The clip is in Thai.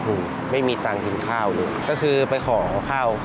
โธ่ไม่มีเงินติดข้าวก็ก็คือไปขอข้าว